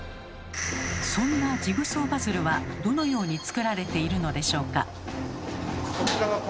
そんなジグソーパズルはどのように作られているのでしょうか？